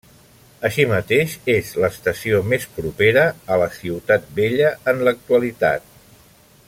Així mateix és l'estació més propera a la Ciutat Vella en l'actualitat.